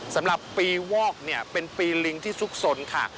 สำหรับปีวอกเป็นปีลิงที่สุขสนค่ะ